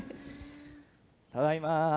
ただいま。